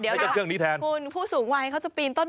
เขาจะปีนต้นหมากเหรอคะ๓๐เมตร